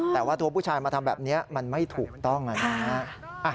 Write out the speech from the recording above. แต่ว่าตัวผู้ชายมาทำแบบนี้มันไม่ถูกต้องนะฮะ